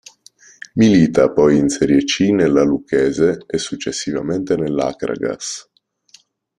Milita poi in Serie C nella Lucchese e successivamente nell'Akragas.